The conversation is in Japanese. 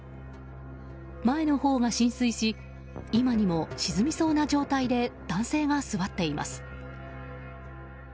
前のほうが浸水し今にも沈みそうな状態で男性が座っています。